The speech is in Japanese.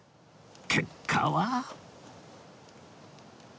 結果は